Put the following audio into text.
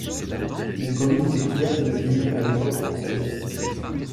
Les collines étaient couvertes de vignes à l'époque française.